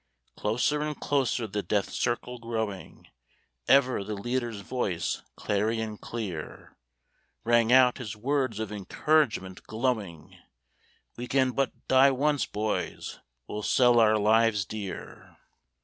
Closer and closer the death circle growing, Ever the leader's voice, clarion clear, Rang out his words of encouragement glowing, "We can but die once, boys, we'll sell our lives dear!"